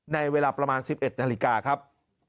ในเวลาประมาณ๑๑นาฬิกาครับ